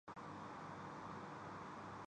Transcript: بجلی کے شعبے میں بڑی تبدیلوں کا منصوبہ